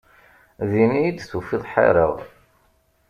Din iyi-d tufiḍ ḥareɣ.